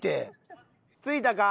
着いたか？